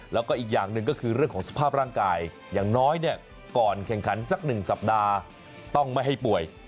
แล้วก็อีกอย่างหนึ่งก็คือเรื่องของสภาพร่างกายอย่างน้อยเนี่ยก่อนแข่งขันสัก๑สัปดาห์ต้องไม่ให้ป่วย